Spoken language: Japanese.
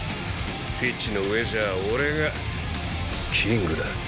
ピッチの上じゃあ俺がキングだ。